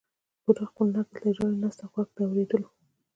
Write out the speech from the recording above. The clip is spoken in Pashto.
بوډا خپل نکل ته ژاړي نسته غوږ د اورېدلو